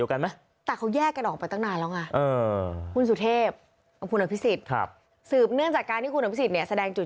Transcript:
คนกันเองนี่แสดง